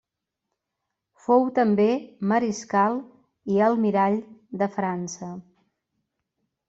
Fou també mariscal i almirall de França.